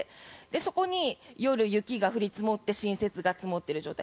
そこで夜に雪が積もって新雪が積もっている状態。